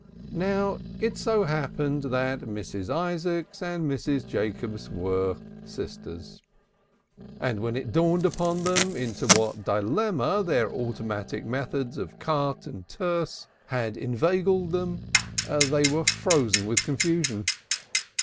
Now it so happened that Mrs. Isaacs and Mrs. Jacobs were sisters. And when it dawned upon them into what dilemma their automatic methods of carte and tierce had inveigled them, they were frozen with confusion.